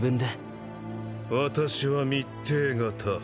私は密偵方。